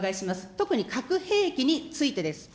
特に核兵器についてです。